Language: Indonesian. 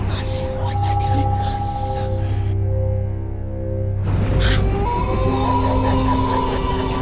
asin buatnya di lintas